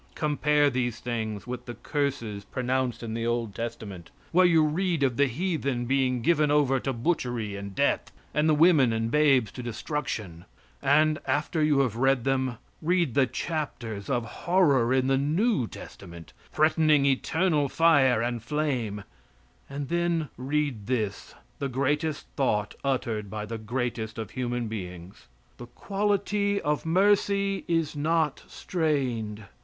Compare these things with the curses pronounced in the old testament, where you read of the heathen being given over to butchery and death, and the women and babes to destruction; and, after you have read them, read the chapters of horrors in the new testament, threatening eternal fire and flame; and then read this, the greatest thought uttered by the greatest of human beings: The quality of mercy is not strained.